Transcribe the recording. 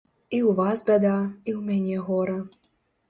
І ў вас бяда, і ў мяне гора.